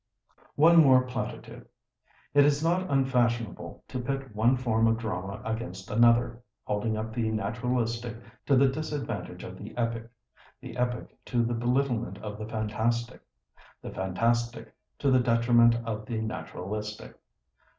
One more platitude. It is not unfashionable to pit one form of drama against another—holding up the naturalistic to the disadvantage of the epic; the epic to the belittlement of the fantastic; the fantastic to the detriment of the naturalistic.